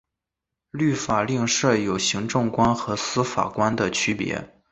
律令法没有行政官和司法官的区别。